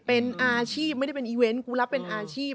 เป็นอาชีพไม่ได้เป็นอีเวนต์กูรับเป็นอาชีพ